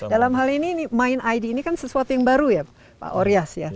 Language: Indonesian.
dalam hal ini main id ini kan sesuatu yang baru ya pak orias ya